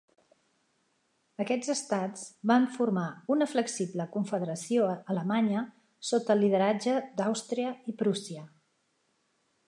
Aquests estats van formar una flexible Confederació Alemanya sota el lideratge d'Àustria i Prússia.